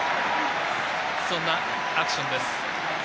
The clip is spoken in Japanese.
そんなアクションです。